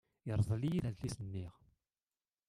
Yerḍel-iyi-d adlis-nni.